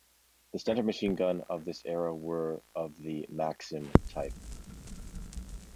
The standard machine guns of this era were of the Maxim type.